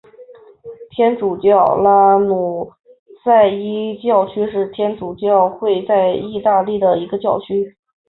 天主教拉努塞伊教区是天主教会在义大利的一个教区。